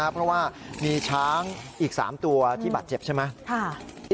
เพราะว่ามีช้างอีก๓ตัวที่บาดเจ็บใช่ไหม